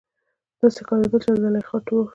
داسې ښکارېدل چې زليخا ترور